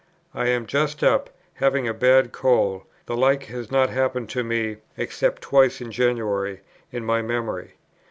I am just up, having a bad cold; the like has not happened to me (except twice in January) in my memory.